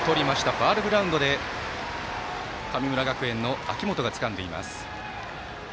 ファウルグラウンドで神村学園の秋元がつかんでいます。